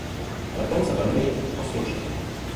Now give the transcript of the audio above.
Letoun se velmi osvědčil.